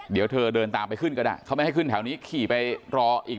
เดี๋ยวเธอเดินตามไปขึ้นก็ได้เขาไม่ให้ขึ้นแถวนี้ขี่ไปรออีก